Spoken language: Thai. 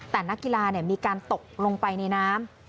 แต่นักกีฬามีการตกลงไปในน้ำ